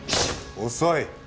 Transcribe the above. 遅い。